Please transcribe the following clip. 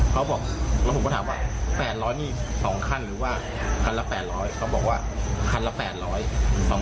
เขาบอกแล้วผมก็ถามว่า๘๐๐นี่๒ขั้นหรือว่าคันละ๘๐๐เขาบอกว่าคันละ๘๐๐บาท